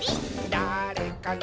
「だーれかな」